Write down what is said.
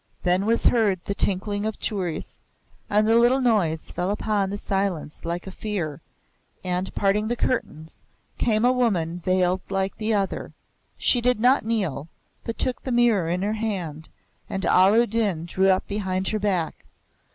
Then was heard the tinkling of chooris, and the little noise fell upon the silence like a fear, and, parting the curtains, came a woman veiled like the other. She did not kneel, but took the mirror in her hand, and Allah u Din drew up behind her back.